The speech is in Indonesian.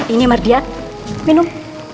ini mardian minum